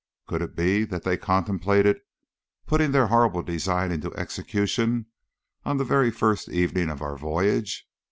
Could it be that they contemplated putting their horrible design into execution on the very first evening of our voyage?